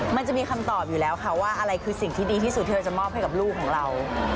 มันจะมีคำตอบอยู่แล้วค่ะว่าอะไรคือสิ่งที่ดีที่สุดเธอจะมอบให้กับลูกของเรา